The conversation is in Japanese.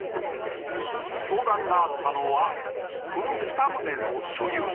相談があったのはこの２棟の所有者。